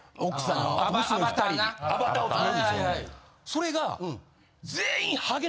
それが。